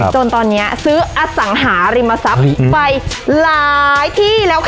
จนตอนนี้ซื้ออสังหาริมทรัพย์ไปหลายที่แล้วค่ะ